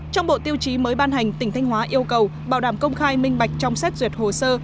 trong bộ tiêu chí mới ban hành tỉnh thanh hóa yêu cầu bảo đảm công khai minh bạch trong xét duyệt hồ sơ